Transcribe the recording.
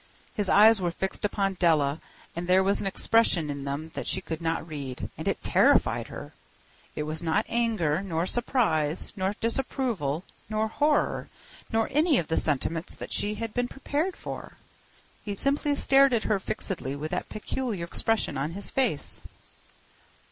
His eyes were fixed upon Della, and there was an expression in them that she could not read, and it terrified her. It was not anger, nor surprise, nor disapproval, nor horror, nor any of the sentiments that she had been prepared for. He simply stared at her fixedly with that peculiar expression on his face.